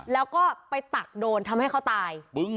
แล้วก็ไปตักโดนทำให้เขาตาย